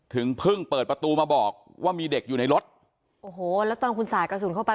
ถึงเพิ่งเปิดประตูมาบอกว่ามีเด็กอยู่ในรถโอ้โหแล้วตอนคุณสาดกระสุนเข้าไป